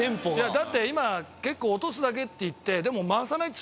だって今結構落とすだけって言ってでも。